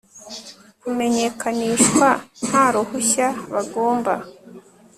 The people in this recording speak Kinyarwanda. kumenyekanishwa nta ruhushya bagomba